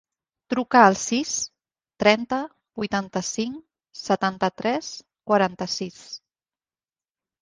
Truca al sis, trenta, vuitanta-cinc, setanta-tres, quaranta-sis.